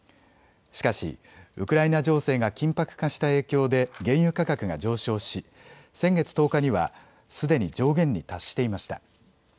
しかし、ウクライナ情勢が緊迫化した影響で原油価格が上昇し先月１０日にはすでに上限に達していました。